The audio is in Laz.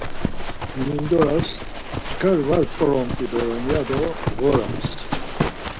Hemindoras çkar var mp̌oromt̆i doren ya do mğorams.